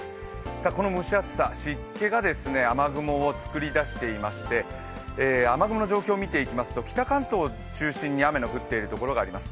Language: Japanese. この蒸し暑さ、湿気が雨雲を作り出していまして雨雲の状況を見ていきますと北関東を中心に雨の降っているところがあります。